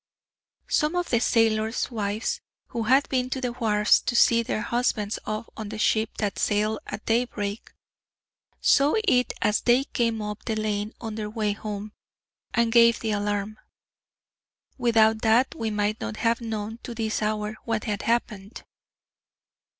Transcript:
"Some of the sailors' wives who had been to the wharves to see their husbands off on the ship that sailed at daybreak, saw it as they came up the lane on their way home, and gave the alarm. Without that we might not have known to this hour what had happened."